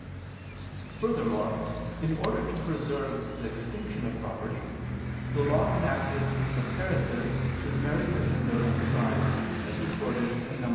Furthermore, in order to preserve the distinction of property, the Law enacted that heiresses should marry within their own tribe, as recorded in Num.